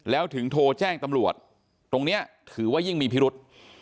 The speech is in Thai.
แล้วถึงโทรแจ้งตำรวจตรงนี้ถือว่ายิ่งมีพิรุษ